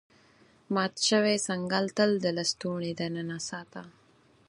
مات شوی څنګل تل د لستوڼي دننه ساته.